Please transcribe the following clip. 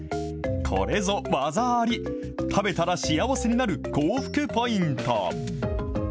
これぞ技あり、食べたら幸せになる口福ポイント。